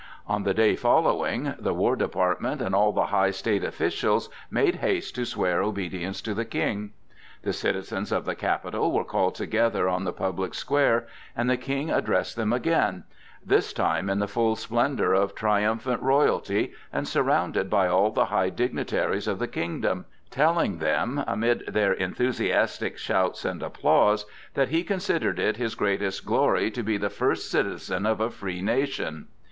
On the day following, the war department and all the high state officials made haste to swear obedience to the King. The citizens of the capital were called together on the public square and the King addressed them again, this time in the full splendor of triumphant royalty and surrounded by all the high dignitaries of the kingdom, telling them, amid their enthusiastic shouts and applause, that he considered it his greatest glory to be the first citizen of a free nation.